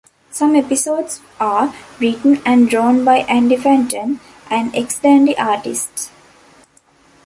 Some episodes are written and drawn by Andy Fanton, an ex-Dandy artist.